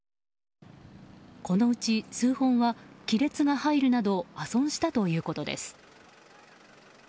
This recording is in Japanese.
このうち数本は亀裂が入るなど破損したということです。